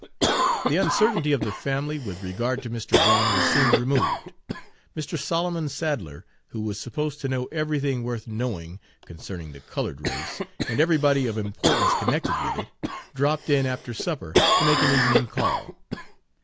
The uncertainty of the family with regard to Mr. Brown was soon removed. Mr. Solomon Sadler, who was supposed to know everything worth knowing concerning the colored race, and everybody of importance connected with it, dropped in after supper to make an evening call.